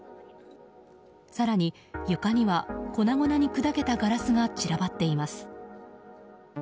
更に床には粉々に砕けたガラスが散らばっています。